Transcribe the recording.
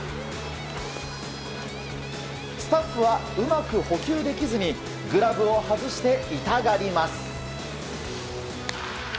スタッフはうまく捕球できずにグラブを外して痛がります。